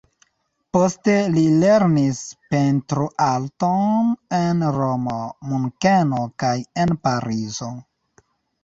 Poste li lernis pentroarton en Romo, Munkeno kaj en Parizo.